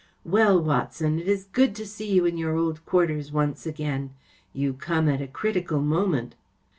Well, Watson, it is good to see you in your old quarters once again. You come at a critical moment.